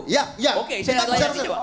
ya ya oke saya lihat di situ